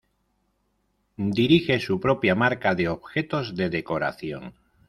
Dirige su propia marca de objetos de decoración.